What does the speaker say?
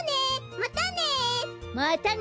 またね！